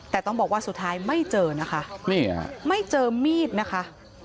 แต่ต้องบอกว่าสุดท้ายไม่เจอนะคะนี่ค่ะไม่เจอมีดนะคะ